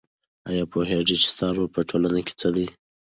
آیا پوهېږې چې ستا رول په ټولنه کې څه دی؟